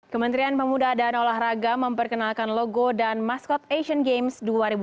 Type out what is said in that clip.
kementerian pemuda dan olahraga memperkenalkan logo dan maskot asian games dua ribu delapan belas